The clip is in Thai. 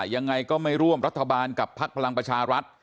ยังไงก็ไม่ร่วมรัฐบาลกับพักพลังประชารัฐ